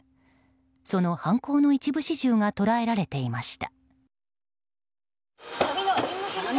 その犯行の一部始終が捉えられていました。